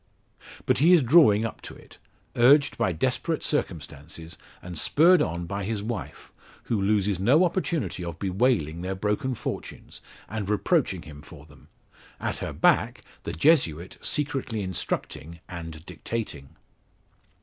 But he is drawing up to it, urged by desperate circumstances, and spurred on by his wife, who loses no opportunity of bewailing their broken fortunes, and reproaching him for them; at her back the Jesuit secretly instructing, and dictating.